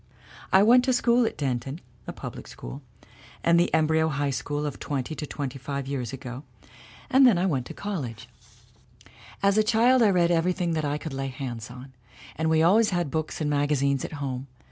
"I went to school at Denton, the public school, and the embryo High School of twenty to twenty five years ago. And then I went to college. SOPHIE KERR 227 "As a child I read everything that I could lay hands on and we always had books and magazines at home.